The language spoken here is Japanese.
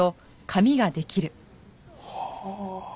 はあ。